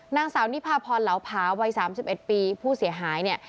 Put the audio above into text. นางสาวนิพาพรเหลาผาวัย๓๑ปีผู้เสียหายเนี่ย